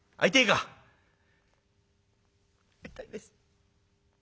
「会いたいです」。